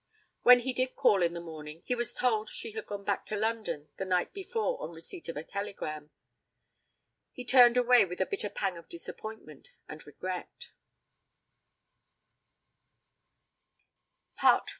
When he did call in the morning, he was told she had gone back to London the night before on receipt of a telegram. He turned away with a bitter pang of disappointment and regret.